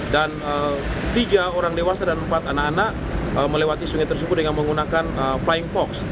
dan tiga orang dewasa dan empat anak anak melewati sungai tersebut dengan menggunakan flying fox